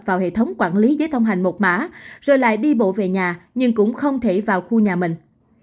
vào hệ thống quản lý giấy thông hành một mã rồi lại đi bộ về nhà nhưng cũng không thể vào khu nhà mình